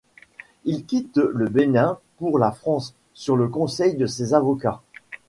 Il quitte le Bénin pour la France, sur le conseil de ses avocats.